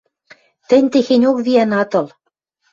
— Тӹнь техеньок виӓн ат ыл...